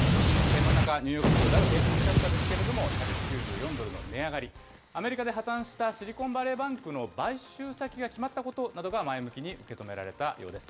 真ん中、ニューヨーク市場ダウ平均株価ですけれども、１９４ドルの値上がり、アメリカで破綻したシリコンバレーバンクの買収先が決まったことなどが前向きに受け止められたようです。